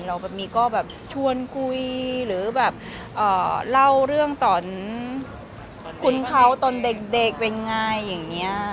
แบบนี้ก็แบบชวนคุยหรือแบบเล่าเรื่องตอนคุณเขาตอนเด็กเป็นไงอย่างนี้